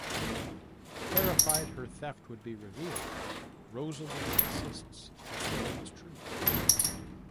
Terrified her theft will be revealed, Rosalie insists the story is true.